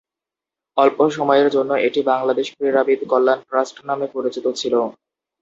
অল্প সময়ের জন্য এটি বাংলাদেশ ক্রীড়াবিদ কল্যাণ ট্রাস্ট নামে পরিচিত ছিল।